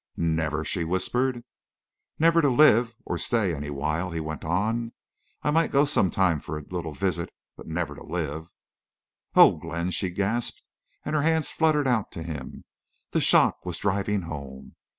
"Never?" she whispered. "Never to live, or stay any while," he went on. "I might go some time for a little visit.... But never to live." "Oh—Glenn!" she gasped, and her hands fluttered out to him. The shock was driving home.